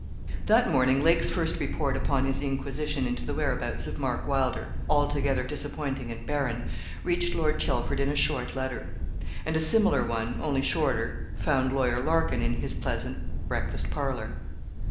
That morning Lake's first report upon his inquisition into the whereabouts of Mark Wylder altogether disappointing and barren reached Lord Chelford in a short letter; and a similar one, only shorter, found Lawyer Larkin in his pleasant breakfast parlour.